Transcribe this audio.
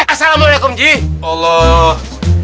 assalamualaikum ji allah